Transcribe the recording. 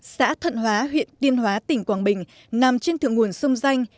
xã thận hóa huyện điên hóa tỉnh quảng bình nằm trên thượng nguồn sông danh